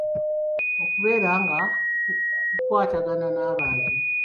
Kubeera nga kukwatagana n’abantu.